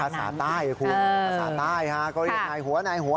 ภาษาใต้คุณภาษาใต้นายหัว